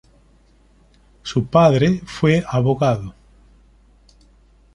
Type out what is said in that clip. Su padre fue abogado.